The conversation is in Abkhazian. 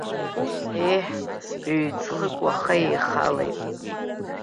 Еҳ, ҩ-ҵхык уаха еихалеит.